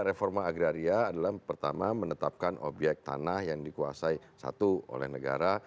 reforma agraria adalah pertama menetapkan obyek tanah yang dikuasai satu oleh negara